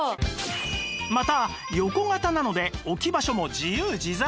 また横型なので置き場所も自由自在